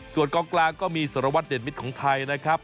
ส่วนกองกลางก็มีสารวัตรเดชมิตรของไทยนะครับ